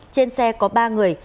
trên xe có ba người